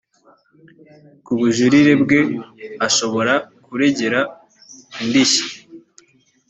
ku bujurire bwe ashobora kuregera indishyi